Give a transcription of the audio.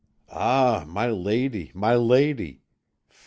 "Ah, my lady, my lady!